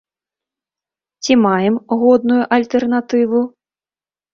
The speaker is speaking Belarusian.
Ці маем годную альтэрнатыву?